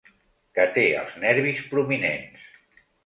Que té els nervis prominents.